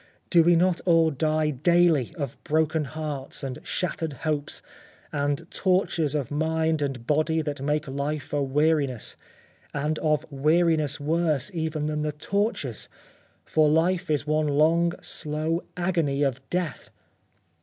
do we not all die daily of broken hearts and shattered hopes, and tortures of mind and body that make life a weariness, and of weariness worse even than the tortures ; for life is one long, slow agony of death.